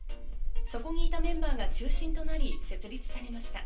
そこにいたメンバーが中心となり設立されました。